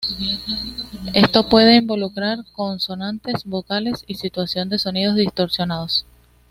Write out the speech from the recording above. Esto puede involucrar consonantes, vocales y sustitución de sonidos distorsionados.